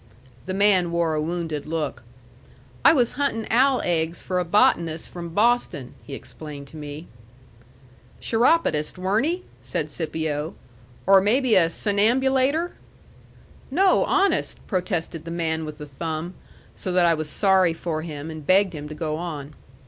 The man wore a wounded look. "I was huntin' owl eggs for a botanist from Boston," he explained to me. "Chiropodist, weren't he?" said Scipio. "Or maybe a sonnabulator?" "No, honest," protested the man with the thumb; so that I was sorry for him, and begged him to go on.